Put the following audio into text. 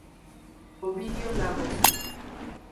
Ovidio Lagos.